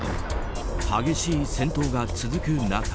激しい戦闘が続く中。